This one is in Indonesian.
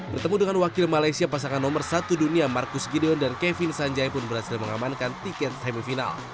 bertemu dengan wakil malaysia pasangan nomor satu dunia marcus gideon dan kevin sanjai pun berhasil mengamankan tiket semifinal